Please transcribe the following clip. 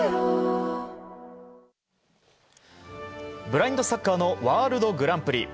ブラインドサッカーのワールドグランプリ。